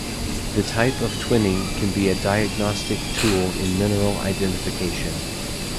The type of twinning can be a diagnostic tool in mineral identification.